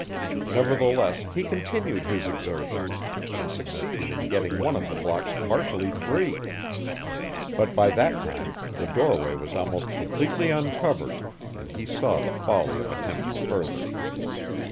Nevertheless, he continued his exertions, and succeeded in getting one of the blocks partially free; but by that time the doorway was almost completely uncovered, and he saw the folly of attempting further.